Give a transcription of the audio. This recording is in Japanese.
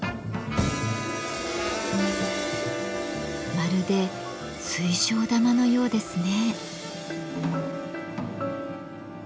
まるで水晶玉のようですね。